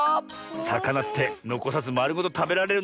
さかなってのこさずまるごとたべられるんですね。